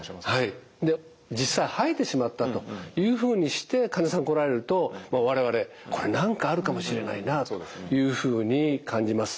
実際吐いてしまったというふうにして患者さん来られると我々これ何かあるかもしれないなというふうに感じます。